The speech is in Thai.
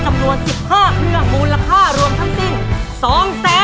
จำนวน๑๕เครื่องมูลค่ารวมทั้งสิ้น